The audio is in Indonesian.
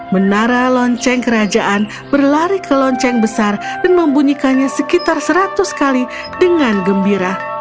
menara lonceng kerajaan berlari ke lonceng besar dan membunyikannya sekitar seratus kali dengan gembira